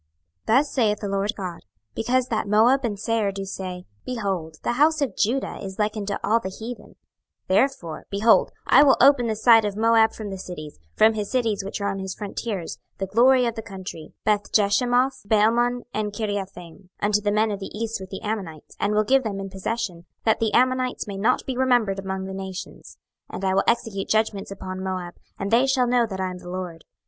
26:025:008 Thus saith the Lord GOD; Because that Moab and Seir do say, Behold, the house of Judah is like unto all the heathen; 26:025:009 Therefore, behold, I will open the side of Moab from the cities, from his cities which are on his frontiers, the glory of the country, Bethjeshimoth, Baalmeon, and Kiriathaim, 26:025:010 Unto the men of the east with the Ammonites, and will give them in possession, that the Ammonites may not be remembered among the nations. 26:025:011 And I will execute judgments upon Moab; and they shall know that I am the LORD.